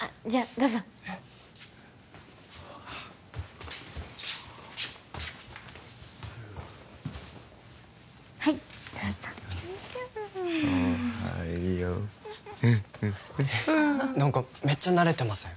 どうぞはいどうぞおはよ何かめっちゃ慣れてません？